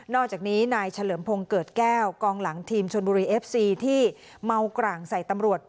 อกจากนี้นายเฉลิมพงศ์เกิดแก้วกองหลังทีมชนบุรีเอฟซีที่เมากร่างใส่ตำรวจ